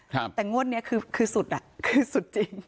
แต่งวดนี้คือคือสุดอ่ะคือสุดจริง